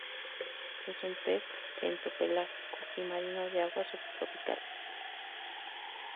Es un pez bentopelágico y marino de aguas subtropicales.